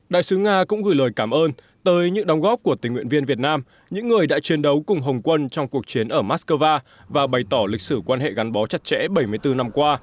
đại sứ nga cũng gửi lời cảm ơn tới những đóng góp của tình nguyện viên việt nam những người đã chiến đấu cùng hồng quân trong cuộc chiến ở moscow và bày tỏ lịch sử quan hệ gắn bó chặt chẽ bảy mươi bốn năm qua